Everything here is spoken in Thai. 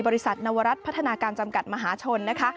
บริษัทนวรัฐพัฒนาการจำกัดมหาชนนะคะ